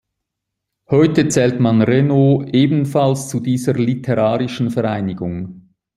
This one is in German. Heute zählt man Renaud ebenfalls zu dieser literarischen Vereinigung.